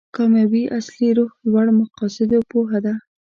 کامیابي اصلي روح لوړ مقاصدو پوهه ده.